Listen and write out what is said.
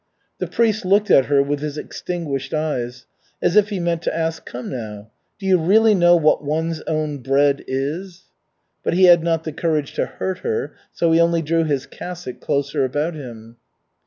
The priest looked at her with his extinguished eyes, as if he meant to ask, "Come now, do you really know what 'one's own bread is?'" but he had not the courage to hurt her, so he only drew his cassock closer about him.